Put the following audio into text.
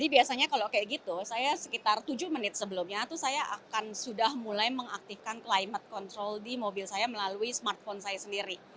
biasanya kalau kayak gitu saya sekitar tujuh menit sebelumnya tuh saya akan sudah mulai mengaktifkan climate control di mobil saya melalui smartphone saya sendiri